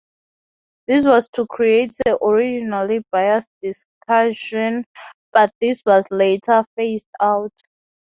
This was to create a regionally biased discussion, but this was later phased out.